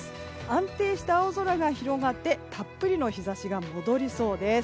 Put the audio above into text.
安定した青空が広がってたっぷりの日差しが戻りそうです。